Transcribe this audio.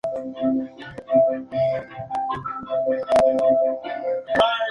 El diseño fue creado por una filial de General Dynamics llamada "Electric Boat".